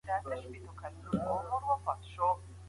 چېري د ځمکو د ثبت ادارې شتون لري؟